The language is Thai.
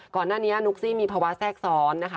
ก่อนหน้านี้นุ๊กซี่มีภาวะแทรกซ้อนนะคะ